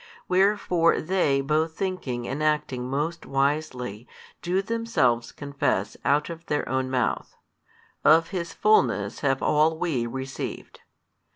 Wherefore they both thinking and acting most wisely do themselves confess out of their own mouth, Of His fulness have all WE received.